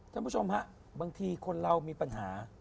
ท่านผู้ชมฮะบางทีคนเรามีปัญหา